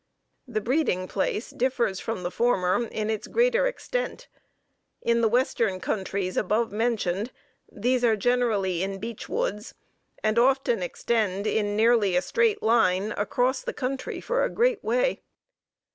The breeding place differs from the former in its greater extent. In the western countries above mentioned, these are generally in beech woods, and often extend, in nearly a straight line across the country for a great way.